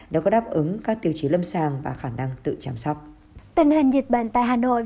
để có đáp ứng các tiêu chí lâm thai